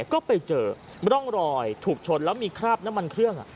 ก็ไปเจอร่องรอยถูกชนแล้วมีคราบน้ำมันเครื่อง